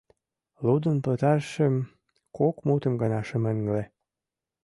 Лудын пытарышым, кок мутым гына шым ыҥле...